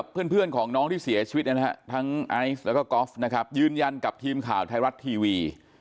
บ้านกับทีมข่าวไทยรัฐทีวี